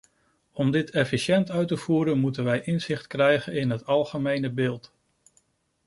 Om dit efficiënt uit te voeren, moeten wij inzicht krijgen in het algemene beeld.